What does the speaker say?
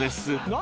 何？